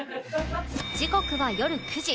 時刻は夜９時